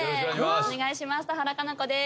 お願いします